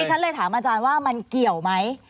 ฉันเลยถามอาจารย์ว่ามันเกี่ยวไหม